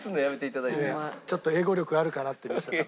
ちょっと英語力あるからって見せたかった。